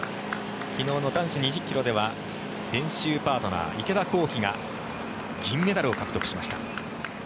昨日の男子２０ｋｍでは練習パートナー、池田向希が銀メダルを獲得しました。